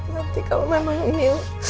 nanti kalau memang emil